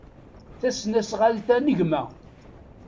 Tasnasɣalt-a n gma.